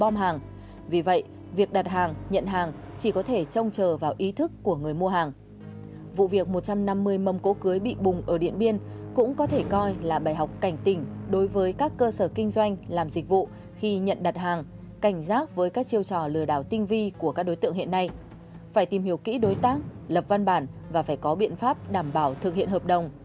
mới đây công an tp điện biên cho biết đã tìm thấy cô gái bỏ bom một trăm năm mươi mâm cỗ cưới nảy sau khi bỏ trốn khỏi địa phương